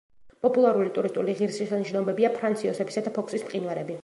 პოპულარული ტურისტული ღირსშესანიშნაობებია ფრანც იოსებისა და ფოქსის მყინვარები.